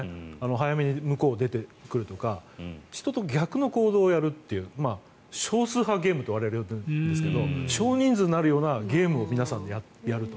早めに向こうを出てくるとか人と逆の行動をやるっていう少数派ゲームと我々は呼んでいるんですが少人数になるようなゲームを皆さんやると。